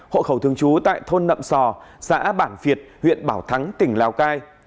hộ khẩu thường trú tại thôn nậm sò xã bản việt huyện bảo thắng tỉnh lào cai